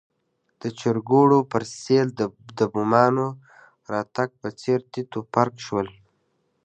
د چرګوړیو پر سېل د بومانو راتګ په څېر تیت و پرک شول.